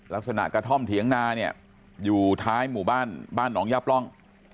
กระท่อมเถียงนาเนี่ยอยู่ท้ายหมู่บ้านบ้านหนองย่าปล่อง